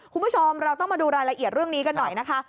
คุณผู้ชมเราต้องมาดูรายละเอียดเรื่องนี้กันหน่อยนะคะ